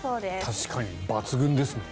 確かに抜群ですね。